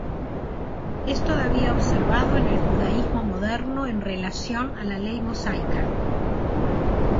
Es todavía observado en el judaísmo moderno en relación a la ley mosaica.